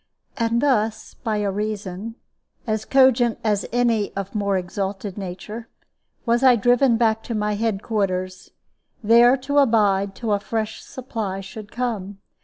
And thus, by a reason (as cogent as any of more exalted nature), was I driven back to my head quarters, there to abide till a fresh supply should come.